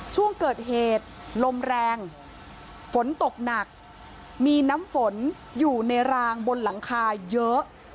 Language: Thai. ช่วงเกิดเหตุลมแรงฝนตกหนักมีน้ำฝนอยู่ในรางบนหลังคาเยอะ